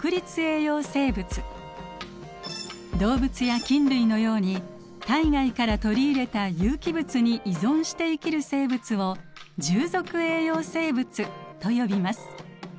動物や菌類のように体外から取り入れた有機物に依存して生きる生物を「従属栄養生物」と呼びます。